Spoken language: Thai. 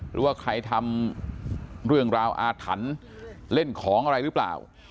หรือว่าใครทำเรื่องราวอาถรรพ์เล่นของอะไรหรือเปล่า